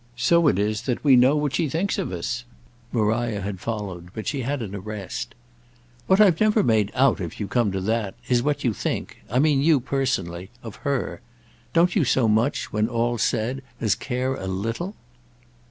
So it is that we know what she thinks of us." Maria had followed, but she had an arrest. "What I've never made out, if you come to that, is what you think—I mean you personally—of her. Don't you so much, when all's said, as care a little?"